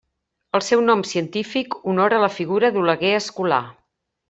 El seu nom científic honora la figura d'Oleguer Escolà.